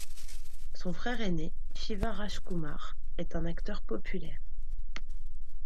Son frère aîné, Shiva Rajkumar, est un acteur populaire.